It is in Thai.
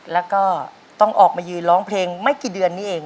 แล้วก็ต้องออกมายืนร้องเพลงไม่กี่เดือนนี้เอง